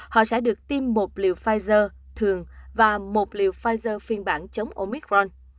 họ sẽ được tiêm một liệu pfizer thường và một liều pfizer phiên bản chống omicron